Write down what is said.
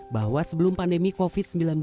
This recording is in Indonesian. bahwa sebelum pandemi covid sembilan belas